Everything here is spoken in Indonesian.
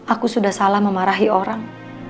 aku sudah salah memarahi orang